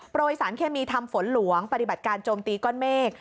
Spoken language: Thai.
ประวัติศาสตร์เคมีทำฝนหลวงปฏิบัติการจมตีก้อนเมฆ